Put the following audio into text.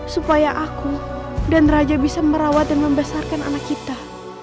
supaya aku dan raja bisa merawat dan membesarkan anak kita